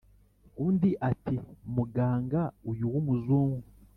Undi ati: "Muganga uyu w'Umuzungu